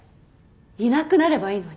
いなくなればいいのに。